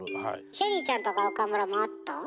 ＳＨＥＬＬＹちゃんとか岡村もあった？